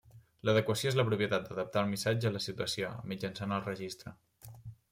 L'adequació és la propietat d'adaptar el missatge a la situació, mitjançant el registre.